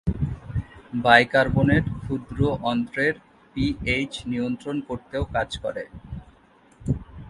Bicarbonate ক্ষুদ্র অন্ত্রের pH নিয়ন্ত্রণ করতেও কাজ করে।